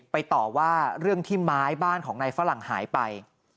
ต่อว่าเรื่องที่ไม้บ้านของนายฝรั่งหายไป